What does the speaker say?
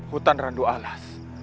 hutan randu alas